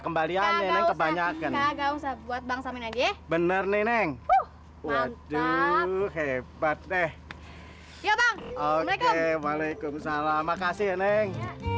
kembaliannya banyakkan buat bang samin aja bener neneng hebat deh waalaikumsalam makasih ya neng